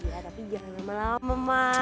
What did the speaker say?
iya tapi jangan lama lama ma